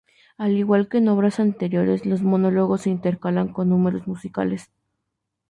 Al igual que en obras anteriores, los monólogos se intercalan con números musicales.